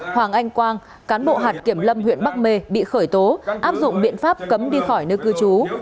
hoàng anh quang cán bộ hạt kiểm lâm huyện bắc mê bị khởi tố áp dụng biện pháp cấm đi khỏi nơi cư trú